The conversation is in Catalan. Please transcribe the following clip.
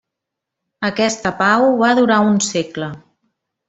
Aquesta pau va durar un segle.